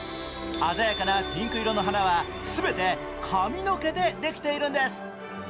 鮮やかなピンク色の花は全て髪の毛でできているんです。